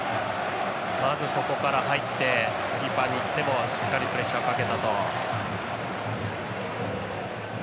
まず、そこから入ってキーパーにいってもしっかりプレッシャーをかけたと。